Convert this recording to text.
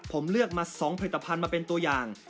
ผมเลือกมา๒ผลิตภัณฑ์มาเป็นตัวอย่าง